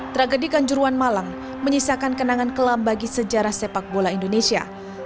tragedi kanjuruan malang menyisakan kenangan kelam bagi sejarah sepak bola indonesia